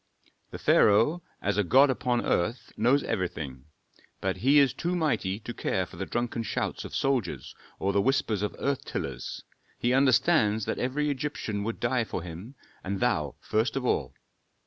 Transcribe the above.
"The pharaoh, as a god upon earth, knows everything; but he is too mighty to care for the drunken shouts of soldiers or the whispers of earth tillers. He understands that every Egyptian would die for him, and thou first of all."